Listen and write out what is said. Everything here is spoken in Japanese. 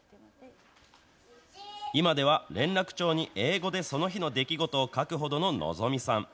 今では、連絡帳に英語でその日の出来事を書くほどの希望さん。